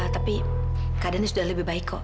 tapi keadaannya sudah lebih baik kok